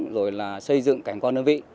rồi là xây dựng cảnh quan đơn vị